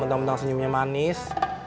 entang entang senyumnya manis